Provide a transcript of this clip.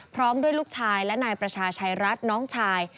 พร้อมด้วยลูกชายและนายประชาชัยรัฐน้องชาย